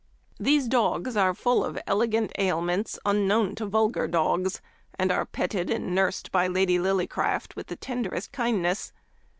" These dogs are full of elegant ailments un known to vulgar dogs, and are petted and nursed by Lady Lillycraft with the tenderest kindness.